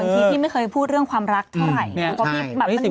ที่พี่ไม่เคยพูดเรื่องความรักเท่าไหร่